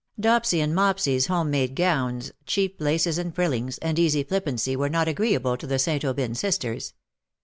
Dopsy's and Mopsy's home made gowns, i2 116 cheap laces and frillirigs^ and easy flippancy were not agreeable to the St. Anbyn sisters.